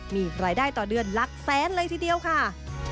มีรายได้ต่อเดือนหลักแสนเลยทีเดียวค่ะ